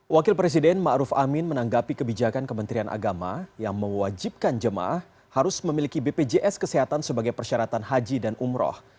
wakil presiden ⁇ maruf ⁇ amin menanggapi kebijakan kementerian agama yang mewajibkan jemaah harus memiliki bpjs kesehatan sebagai persyaratan haji dan umroh